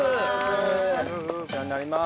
お世話になります。